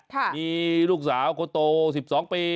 ใช่ค่ะมีลูกสาวก็โต๑๒ปี